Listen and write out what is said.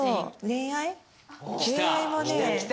恋愛もね。